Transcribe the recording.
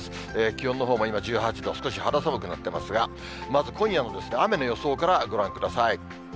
気温のほうも今１８度、少し肌寒くなってますが、まず、今夜のですね、雨の予想からご覧ください。